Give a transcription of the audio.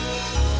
hebung dimana ya